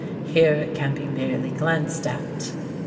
Here it can be merely glanced at.